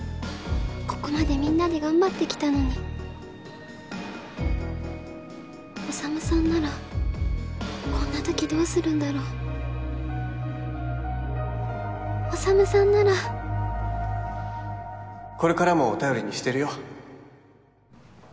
ここまでみんなで頑張ってきたのに宰さんならこんなときどうするんだろう宰さんならこれからも頼りにしてるよ